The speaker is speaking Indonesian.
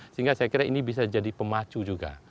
sehingga saya kira ini bisa jadi pemacu juga